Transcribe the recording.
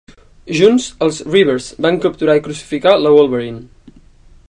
Junts, els Reavers van capturar i crucificar la Wolverine.